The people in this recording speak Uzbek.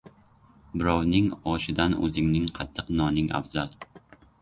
• Birovning oshidan o‘zingning qattiq noning afzal.